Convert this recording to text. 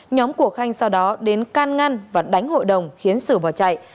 nhóm của khanh sau đó đến can ngăn và đánh hội đồng khiến sử bỏ chạy